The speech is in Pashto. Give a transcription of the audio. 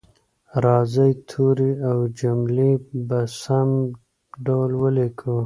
راځئ توري او جملې په سم ډول ولیکو